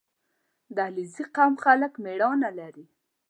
• د علیزي قوم خلک مېړانه لري.